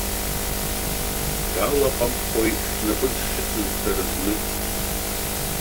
Далаҟамхои снапы зхьысыз сара знык.